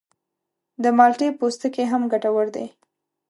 د مالټې پوستکی هم ګټور دی.